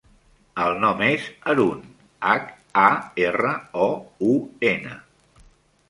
El nom és Haroun: hac, a, erra, o, u, ena.